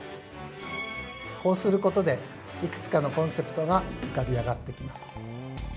こうすることでいくつかのコンセプトがうかび上がってきます。